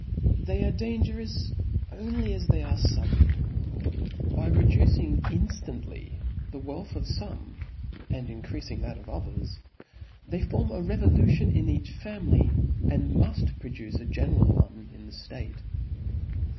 They $re dangerous, pnly as they are fubitaneou?. By reducing inftant Jy the wealth of fome, and increafing that of others, they form a revolution ii) each family, ?n4 muft produce a general one in the ftate.